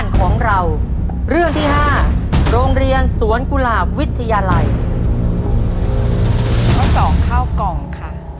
ข้อ๒ข้าวกล่องค่ะ